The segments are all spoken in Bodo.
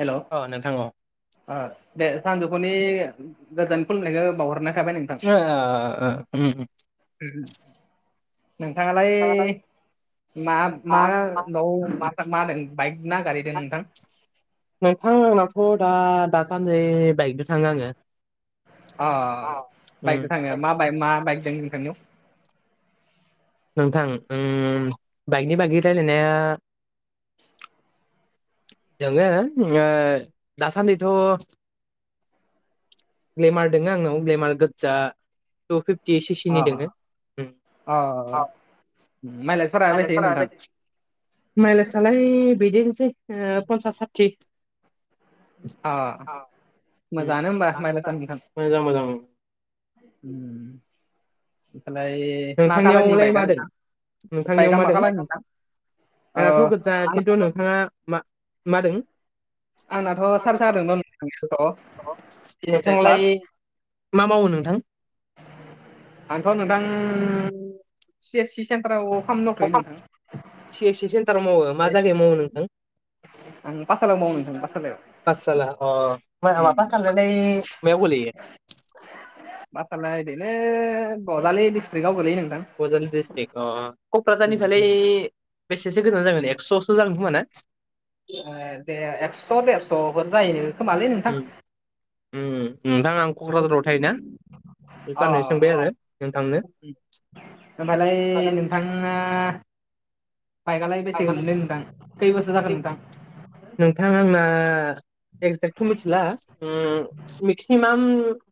हेल अ नोंथां अ अ दे सानजौफुनि गोजान फुलिनायखौ बावहरनायखाबाय नों [unintelligible] नोंथाङालाय ओमफ्राय मा मा न म मा होनादों बाइक ना गारि नोंथां आंनावथ दा दासान्दिै बाइकजों थाङो आंङो अ उम बाइकजों थाङो मा ब मा बाइकजों नोंथांनि नोंथां बाइकनि बागै रायलायनाया दोंङो ओ दासान्दिथ ग्लेमार दोंङो आंनाव ग्लेमार गोज्जा टु फिफ्टि सिसिनि अ दङो अ [unintelligible] आ नोंथां माइलेजलाय बिदिनोसै पन्सास साथि अ उम मोजाङानो होमबा माइला सानदिख मोजां मोजां ओमफ्रायालाय नोंथांनियावलाय मादों नोंथांनियाव बाइकआ मा मादों कालारनि नोंथां ओ आंनाथ' गोजा आंना खिन्थु नोंथाङा मा मादों आंनाथ' सारि साखा [inaudible] दं र' नोंथां नोंथांलाय प्लास मा मावो नोंथां आंथ नोंथां सि एस सि सेन्टाराव खालामामनो दंथयो नोंथां सि एस सि सेन्टाराव मावो मा जायगायाव मावो नोंथां आं पाठसालायाव मावो नोंथां पाठसालायाव [inaudible] माबा स मायाव गोलैयो बासालाय दिलै बजालि डिस्ट्रिकआव गोलैयो नोंथां बज्रालि डिस्ट्रिक्ट अ क'क्राझारनिफ्रायालाय ओ बेसेसो गोजान जागोन एकस'सो जागोन खोमा ना एक्स' देरस'फोर जायो खोमालै नोंथां। उम नोंथां आं। क'क्राझाराव थायोना बे अ गारनो सोंबाय आरो नोंथांनो। ओ भा [unintelligible] लाय न नोंथाङा बाइकआलाय बेसे गोलैनाय नोंथां खै बोसोर जागोन नोंथां। नोंथां आंना एक्जेक्थ' मिथिला मेक्सिमाम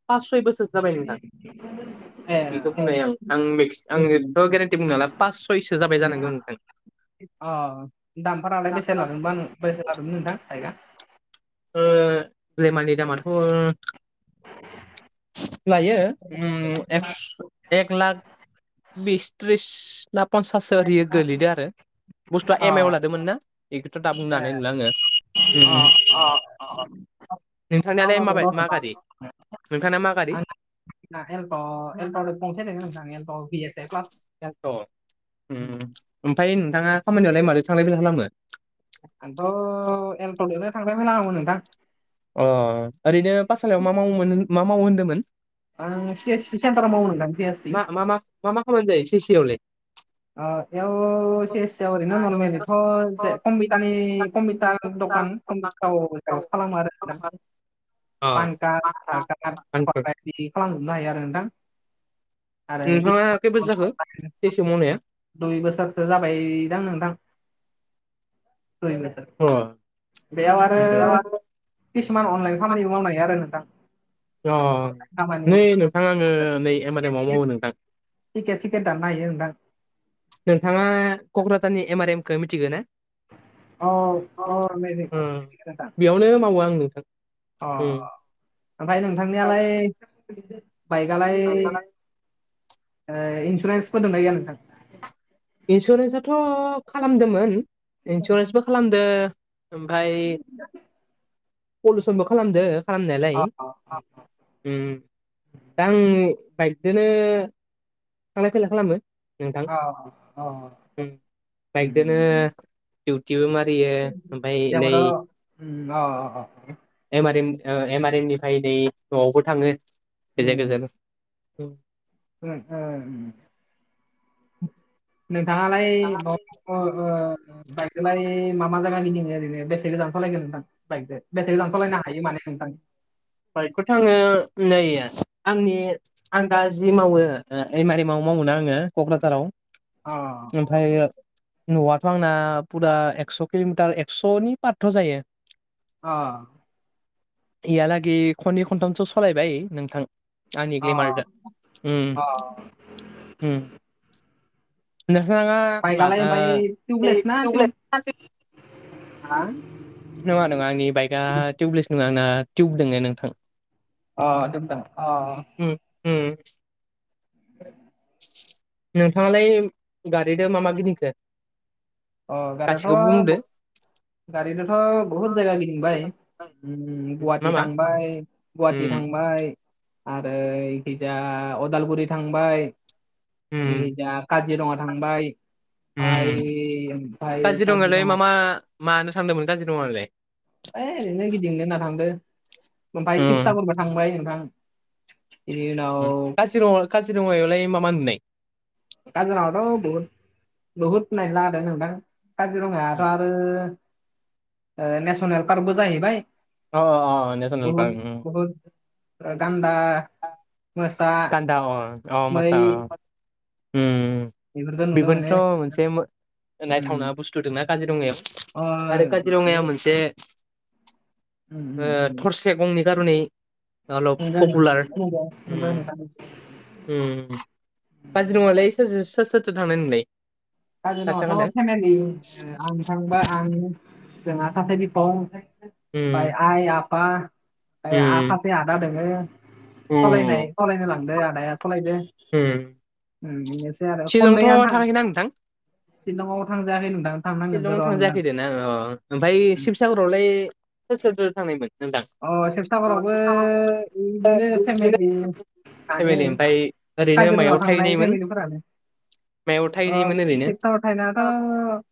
पास सय बोसोर जाबाय नोंथां [inaudible] ए बेखौ बुंनाय आं आं मक् आंोथ' गेरेन्टि बुं नाय पास सयसो जाबाय जानांगौ नोंथां [unintelligible] अ दामफोरालाय बेसे लादोंबा बेसे लादोंमोन नोंथां बायगा। [unintelligible] दामाथ' लायो उम ए लाख बिस थिस ना पन्साससो ओरियो गोलैदों आरो बुस्थुआ अ एम आइ आव लादोंमोन ना। बेखौथ' दा बुंनो ए हानाय नला आङो अ अ नोंथांनिलाय टाउनाव दं र' माबाय मा नोंथां गारि नोंथांनि मा आं गारि ना एलट एलट पसायदों नोंथां एलट भि प्लास थ' उम ओमफ्राय नोंथाङा खामानियावलाय मारै थांलाय-फैलाय खालामो। आंथ' एलटजोंनो थांलाय फैलाय खालामो नोंथां। अ' ओरैनो पाठसालायाव मा मावोमोन मा मावो होन्दोंमोन। आं सि ए सि सेन्थाराव मावो नोंथां सि ए सि मा मा मा मा खामानि जायो सि ए सि आवलाय ओ इयाव सि ए सि आव ओरैनो अ नरमेलिथ' जे कम्पिटारनि कम्पिउटार दखान कम [unintelligible] खालामो आरो नोंथां। [unintelligible] पान कार्ड, आधार कार्ड, आनफोर खालामजोबनो हायो आरो नोंथां। आरो नोंथाङा खै बोसोर जाखो सि ए सि आव मावनाया दुइ बोसोरसो जाबायदां नोंथां दुइ बोसोर अ बेयाव आरो उम किसुमान अनलाइन खामानिबो मावनो हायो आरो नोंथां। अ' अनलाइन खामानि नै नोंथां आङो नै एम आर एमाव मावो नोंथां। थिकेट-सिकेट दाननो हायो आरो नोंथां। नोंथाङा क'क्राझारनि एम आर एमखौ मिथिगो ना? औ औ [unintelligible] नो मावो आं नोंथां। अ उम ओमफ्राय नोंथांनियालाय बाइकआलाय ओ इन्सुरेन्सफोर दोंना गैया नोंथां। इन्सुरेन्साथ' खालामदोंमोन इन्सुरेन्सबो खालामदों ओमफ्राय पलिसनबो खालामदो खालामनायालाय अ उम दा आं बाइकजोंनो थांलाय फैलाय खालामो नोंथां। औ - औ। बाइकदोनो दिउटिबो मारियो ओमफ्राय नै जेबोथ' उम अ 'अ' M आरेन O M R M निफ्राय नै न'आवबो थाङो गेजेर - उम, गेजेर औ [unintelligible] [unintelligible] [inaudible] नोंथाङालाय ओ बाइकजोंलाय मा मा जायगा गिदिङो ओरैनो बेसे गोजान सालायखो नोंथां। बाइकजों बेसे लांथ'लायनो हायो माने नोंथां बाइकखौथ' आङो नै आंनि आं दा जि मावो ओ एम र एम माव मावोना आङो क'क्राझाराव अ ओमफ्रायो न'आथ' आंना फुरा एकस' किल'मिटार एकस'नि पाथ' जायो। अ इहालागै खननै खनथामसो सलायबाय नोंथां। आंनि अ [unintelligible] उम अ नोंथाङा मा बाइकआलाय ओमफ्राय ओ टिउबलेस ना टिउब [unintelligible] हा नङा नङा आंनि बाइकआ टिउबलेस नङा आंना टिउब दङो नोंथां। अ नोंथां अ। उम उम। [inaudible] नोंथाङालाय गारिदो मा मा गिदिंखो? अ गासिखौबो गारियाथ' बुंदो। गारिजोंथ' बहुद जायगा गिदिंबाय। उम मा गुवाहाटि मा थांबाय गुवाहाटि उम थांबाय आरो इखैजा अदालगुरि थांबाय उम इखिजा काजिरङा थांबाय उम ओमफ्राय-ओमफ्राय काजिरङायावलाय काजिरङा मा मा मानो थांदोंमोन काजिरङाआवलाय? ओइ ओरैनो गिदिंनो होनना थांदो ओमफ्राय उम शिबसागरबो थांबाय नोंथां। बिनि उनाव [unintelligible] काजिरङायावलाय मा मा नुनाय? काजिरङावथ' बहुद बहुत नायनो लागा दं नोंथां। काजिरङायाथ' आरो नेसनेल ओ पार्कबो जाहैबाय। अह अह नेसनेल पार्क उम। ओ गान्दा मोसा गान्दा औ औ मै मोसा ओम बेफोरखौ नुनो मोनो बेफोरनोथ' मोनसे मो नायथावना बुस्थु दंना काजिरङायाव ओ आरो काजिरङायाव मोनसे ओम ओ थरसे गंनि खार'नै अलप पपुलार। उम [unintelligible] उम काजिरङालाय सोर सोर सोरथो थांनाय नोंलाय? साथाम काजिरङायावथ' थांखादों फेमेलि ओ आं थांबा आं जोंहा सासे बिफं' ओं ओमफ्राय उम आइ आफा ओ उम सासे आदा दङो सालायनाय उम सालायनो लांदों आदाया सालायदो। उम उम बेनोसै आरो खननैया थां ना नोंथां शिलंआव थांजायाखै नोंथां थांनांगोनसो र' नोंथां। अह ओमफ्राय शिबसागरावलाय सोर सोरथो थांनायमोन? नोंथां अह शिबसागरावबो बिदिनो फेमिलि थाङो फेमिलि ओमफ्राय ओरैनो काजिरङायाव मायाव थांनाय थाहैनायमोन फेमिलिफोरानो मायाव? ओ थाहैनायमोन ओरैनो शिबसागर थाहैनायाथ' ओ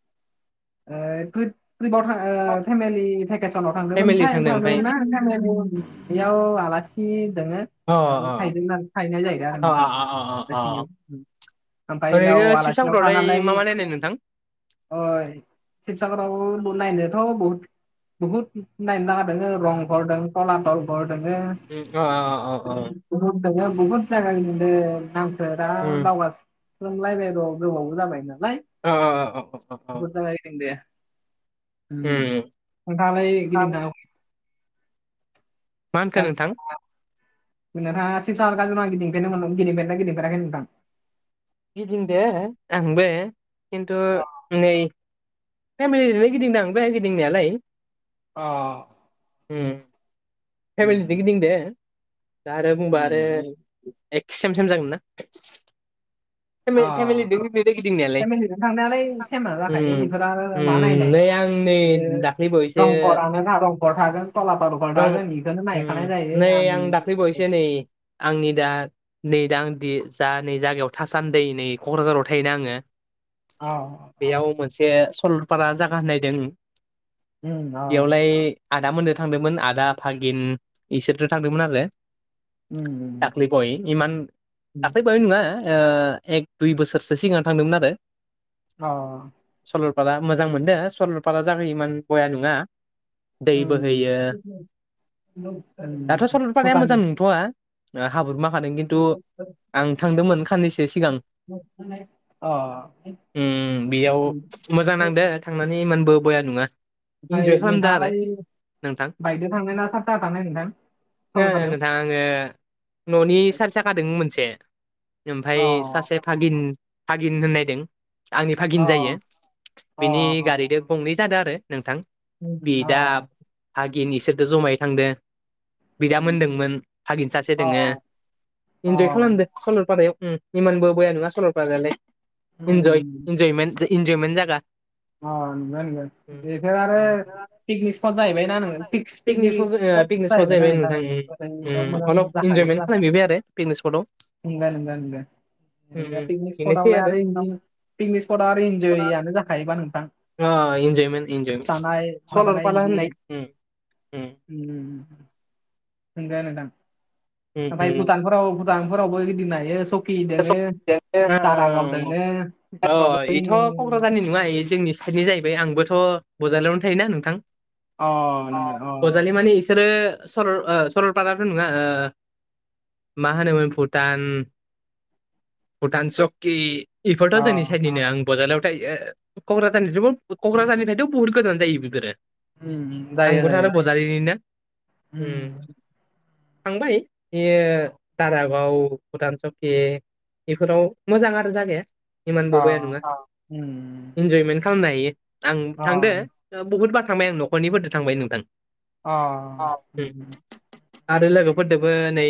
[unintelligible] [unintelligible] फेमिलि थांदोंमोनथाय थांदों ओमफ्राय थांदोंमोन ना गामिनि बेयाव आलासि दङ। अ बेयाव अ थाहैदों ना थाहैनाय जाहैदों आरो अ अ अ अ नोंथां [unintelligible] ओमफ्राय ओरैनो उनाव आलासिनाव शिबसागरावलाय थानानै मा मा नायनाय नोंथां अह शिबसागराव नाइनोथ' बहुत बहुत नाइनो लागा दङ रंफोर दं खलाथलफोर दङ। ओम अह-अह-अह गुबुन दङ बहुत दङ रंफोराव उम दावबायनो सोंलायबायल' गोबावबो जाबाय नालाय औ-औ-औ। बुहुत जायगा गिदिंदों दे उम नोंथाङालाय गिदिंनो मा होनखो नोंथां। नोंथाङा शिबसागर काजिरङा गिदिंफेरदोंना गिदिंफेराखै नोंथां। गिदिं दों आंबो खिन्थु नै फेमिलिजोंलाय गिदिंदों गिदिंनायालाय अह फेमिलिजों उम गिदिंदों दा आरो बुंबा आरो। उम ए सेम सेम जागोन ना। फेमिलि अह फेमिलिजों गिदिंदो गिदिंनायालाय फेमिलिजों थांनायालाय सेमा उम जाखायो बेफोरो मा उम नायनाय नै आं दाख्लै बावैसो दंखरआनो ना दंखर थागोन थलापार दखल रं थागोन बेखौनो नायखानाय जायो आं बायैसो नै आंनि दा नै दा आं दि जा नै जायगायाव थासान्दि नै क'क्राझाराव थायोना आङो। औ बेयाव मोनसे सलपारा जागा होननायदों उम औ बेयावलाय आदाम मोनद थांदोंमोन आदा फागिन इसोरथ थांदोंमोन आरो। उम दाखलि पि इान उम दाखलि पाह नङा एक दुइ बोसोरसो सिगां थांदोंमोन आरो। अ सलपारा मोजां मोनदों सरलपारा जागो इमान बया नङा दै उम बोहैयो उम दाथ' सललपारकाया भुटान मोजां नंथ'वा हाबुर माखादों खिन्थु आं थांदोंमोन साननैसो सिगां अ बेयाव मोजां नांदो थांनानै इमानबो बया नङा इन्जय ओमफ्राय खालामदो आरो नोंथाङालाय नोंथां बाइकदों थांनाय ना सार साहा थांनाय नोंथां। ना सरलपारायाव नोंथां आङो न'नि सार् जाखादों मोनसे अ ओमफफ्राय सासे फागिन फागिन होननायदों आंनि अ फागिन जायो। अ बिनि गारिद गंनै जादों आरो नोंथां उम अ बिदाब हागिन इसोरजों जमायै थांदों। बिदा मोनदोंमोन फागिन सासे अ दोङो इन्जय अ खालामदो। सलपारायाव इमानबो बया नङा सलपारालाय इनजय उम इनजयमेन्ट इन्जयेन्ट जोन अ बेोनोन एख ज आरो उम पिकनिक स्पट जाहैबायनाा आङो पिकनिक ओ स्पट पिकनिक जाहैबायना जाहैबाय आङो दा नोंथां उम ओरैयाव उम अलप मोजां जाखायो इन्जयमेन्ट खालाम जानाया बिबाय आरो पिकनिक स्पटआव [unintelligible] उम ए उम पिकनिक बेनोसै स्पटआवलाय आरो पिकनिक स्पट आ आरो इन्जययानो जाखायोबा नोंथां एन्जयमेन्टजय जानाय सलाला होननाय उ नंजायानोदां उम ओमफ्राय भुटानफोराव भुटानफोरावबो गिदिं नायायो स फ उम दोङो जारागाव दोङो अ बेफोरावबो इथ' [unintelligible] जोंनि बेंखनो जाहै आबोथ' बड'लेण्डआवनो थायोना नोंथां। अ अ नंगौ गजालि माने इसोरो सरल सरलपाराथ' नङा मा होनोमोन भुटान भुटान चकि अ बेफोरथ' जोंनि साइडनिनो आं बजालियाव थायो' क'क्राझारनि क'क्राझारनिफ्रायथ' बहुत गोजान जायो बेफोरो उम उम जायो जोंबोथ' जायो आरो बजालिनिनो उम थांबाय बेयो दारागाव भुटान सके बेफोराव मोजां आरो जागाया अ इमानबो बया नङा उम इन्जयमेन्ट खालामनो हायो। आं अ थांदो बहुद बार थांबाय आं न'खरनिफोरजों थांबाय नोंथां। अ उम आरो लोगोफोरदोबो नै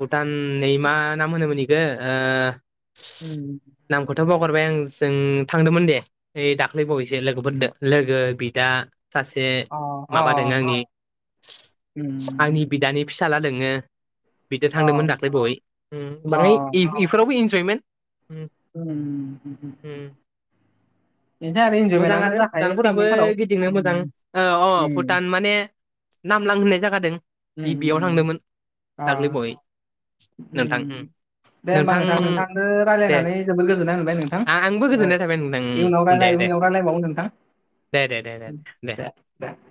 भुटान नैमा ना मोनो मोननिखौ ओ- उम नामखौथ' बावगारबाय आं जों थांदोंमोन दे। ओइ दाख्लैबावैसो लोगोफोरदो लोगो बिदा। सासे अ माबादों अ आंनि आंनि उम बिदानि फिसाला दोङो बिदो अ थांदोंमोन दाख्लै बावै। ओम बाङाय अ बेफोरावबो इन्जयमेन्ट उम। बेनो आरो मोजां इन्जयमेन्टआनो आरो जाखायो भुटानफोराबो पिकनिकफोराव गिदिंनो मोजां उम ओ अ उम भुटान माने। नामलां होननाय जागा दों उम गिबियाव उम थांदोंमोन दाख्लै बावै। ओम। नोंथां उम दे होमबा नोंथां नोंथांनो दे रायज्लायनानै जोबोद गोजोननाय मोनबाय नोंथ आंबो नोंथां। गोजोननाय थाबाय नोंथां इउनाव उम दे रायलाय दे उनाव रायलायबावनो नोंथां। दे दे दे दे। [unintelligible]